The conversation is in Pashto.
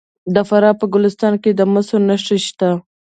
د فراه په ګلستان کې د مسو نښې شته.